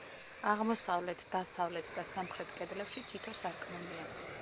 აღმოსავლეთ, დასავლეთ და სამხრეთ კედლებში თითო სარკმელია.